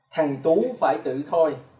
thằng tú phải tử thôi